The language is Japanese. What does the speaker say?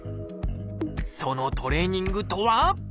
そのトレーニングとは？